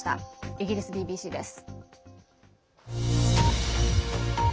イギリスＢＢＣです。